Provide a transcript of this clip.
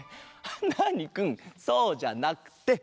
ナーニくんそうじゃなくて。